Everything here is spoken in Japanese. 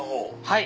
はい。